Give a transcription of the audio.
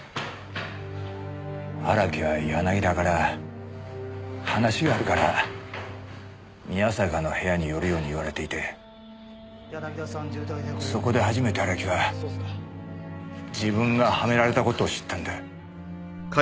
荒木は柳田から話があるから宮坂の部屋に寄るように言われていてそこで初めて荒木は自分がはめられた事を知ったんだ。